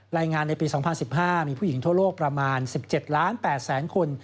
ในปี๒๐๑๕มีผู้หญิงทั่วโลกประมาณ๑๗ล้าน๘แสนคน